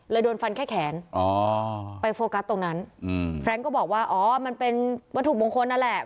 โดนฟันแค่แขนอ๋อไปโฟกัสตรงนั้นแฟรงค์ก็บอกว่าอ๋อมันเป็นวัตถุมงคลนั่นแหละ